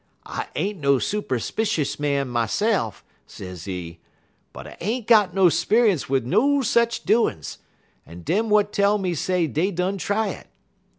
I ain't no superspicious man myse'f,' sezee, 'en I ain't got no 'speunce wid no sech doin's, but dem w'at tell me say dey done try it.